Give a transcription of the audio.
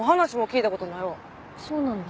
そうなんだ。